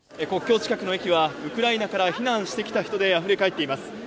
国境近くの駅はウクライナから避難してきた人で溢れ返っています。